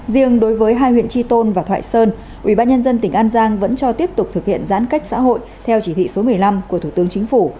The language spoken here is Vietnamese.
riêng đối với hai huyện tri tôn và thoại sơn ubnd tỉnh an giang vẫn cho tiếp tục thực hiện giãn cách xã hội theo chỉ thị số một mươi năm của thủ tướng chính phủ